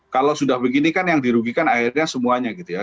kalau sudah begini kan yang dirugikan akhirnya semuanya gitu ya